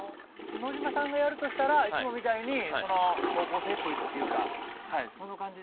野島さんがやるとしたらいつもみたいに高校生っぽいというかはいその感じで。